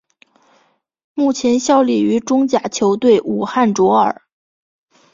目前效力于中甲球队武汉卓尔。